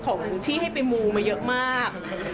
ของที่ให้ไปมูมาเยอะมาก